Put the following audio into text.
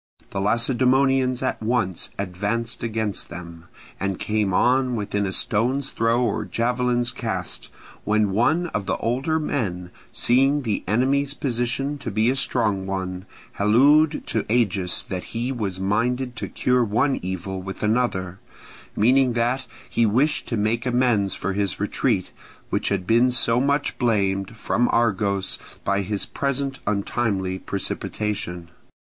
The Lacedaemonians at once advanced against them, and came on within a stone's throw or javelin's cast, when one of the older men, seeing the enemy's position to be a strong one, hallooed to Agis that he was minded to cure one evil with another; meaning that he wished to make amends for his retreat, which had been so much blamed, from Argos, by his present untimely precipitation.